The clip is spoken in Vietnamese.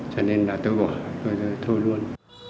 cho nên là tôi bỏ tôi thôi luôn